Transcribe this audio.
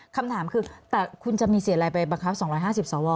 คำถามคือแต่คุณจะมีเสียอะไรไปบังคับ๒๕๐สว